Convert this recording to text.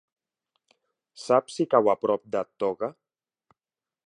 Saps si cau a prop de Toga?